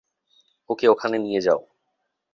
ওকে ওখানে নিয়ে যাও!